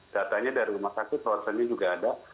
datanya dari rumah sakit ronsennya juga ada